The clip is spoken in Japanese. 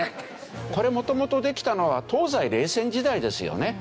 これ元々できたのは東西冷戦時代ですよね。